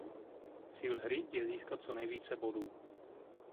Cíl hry je získat co nejvíce bodů.